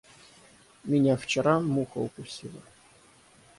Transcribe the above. Меня вчера муха укусила.